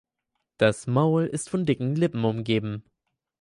Das Maul ist von dicken Lippen umgeben.